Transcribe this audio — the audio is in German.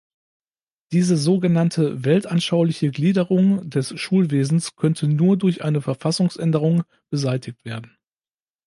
Diese sogenannte weltanschauliche Gliederung des Schulwesens könnte nur durch eine Verfassungsänderung beseitigt werden.